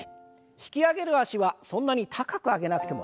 引き上げる脚はそんなに高く上げなくても大丈夫です。